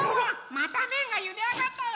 まためんがゆであがったよ！